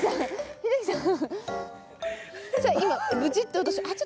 秀樹さん